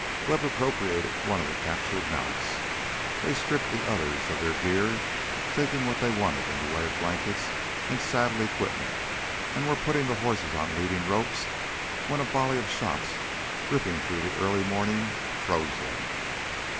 Webb appropriated one of the captured mounts. They stripped the others of their gear, taking what they wanted in the way of blankets and saddle equipment, and were putting the horses on leading ropes when a volley of shots ripping through the early morning froze them.